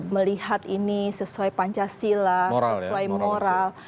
melihat ini sesuai pancasila sesuai moral